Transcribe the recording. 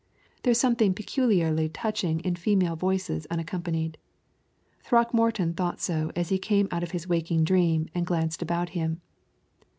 There is something peculiarly touching in female voices unaccompanied. Throckmorton thought so as he came out of his waking dream and glanced about him.